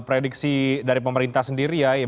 prediksi dari pemerintah sendiri ya